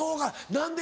何で？